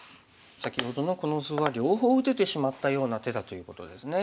先ほどのこの図は両方打ててしまったような手だということですね。